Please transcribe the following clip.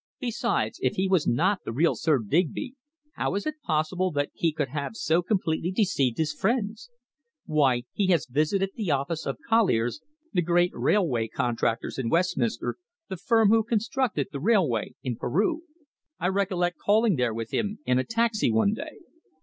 "Besides, if he was not the real Sir Digby, how is it possible that he could have so completely deceived his friends! Why, he has visited the offices of Colliers, the great railway contractors in Westminster the firm who constructed the railway in Peru. I recollect calling there with him in a taxi one day."